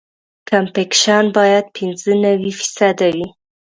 کمپکشن باید پینځه نوي فیصده وي